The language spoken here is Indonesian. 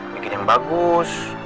bikin yang bagus